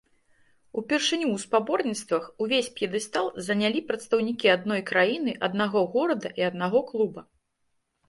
Упершыню ў спаборніцтвах увесь п'едэстал занялі прадстаўнікі адной краіны, аднаго горада і аднаго клуба.